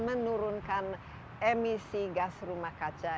menurunkan emisi gas rumah kaca